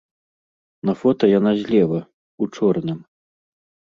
На фота яна злева, у чорным.